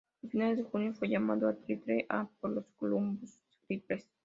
A finales de junio, fue llamado a Trile-A por los Columbus Clippers.